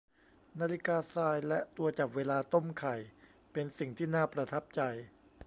นาฬิกาทรายและตัวจับเวลาต้มไข่เป็นสิ่งที่น่าประทับใจ